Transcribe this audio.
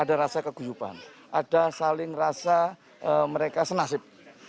ada rasa keguyupan ada saling rasa mereka senasib